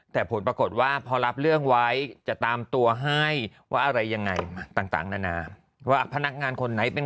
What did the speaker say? แต่ผลปรากฏว่าพอรับเรื่องไว้จะตามตัวให้ว่าอะไรยังไงต่างนานาว่าพนักงานคนไหนเป็น